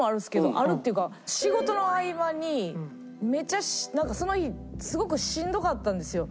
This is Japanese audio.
あるっていうか仕事の合間にめっちゃなんかその日すごくしんどかったんですよ。